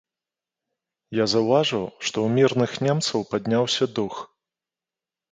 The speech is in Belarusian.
Я заўважыў, што ў мірных немцаў падняўся дух.